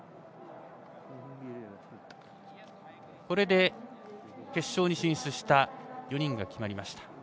これで決勝に進出する４人が決まりました。